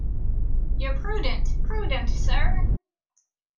You're prudent, prudent, sir!